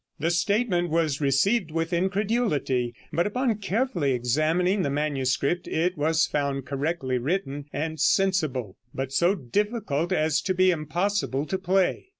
The statement was received with incredulity, but upon carefully examining the manuscript it was found correctly written, and sensible; but so difficult as to be impossible to play.